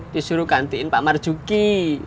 disuruh gantiin pak marjuki